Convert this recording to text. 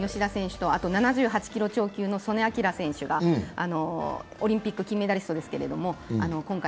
あと７８キロ超級の素根輝選手がオリンピック金メダリストですけど、今回、